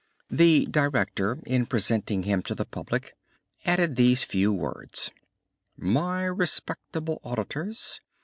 The director, in presenting him to the public, added these few words: "My respectable auditors!